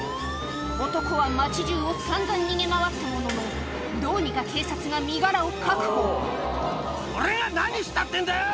男は街じゅうをさんざん逃げ回ったものの、どうにか警察が身柄を俺が何したってんだよ！